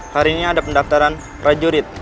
hari ini ada pendaftaran prajurit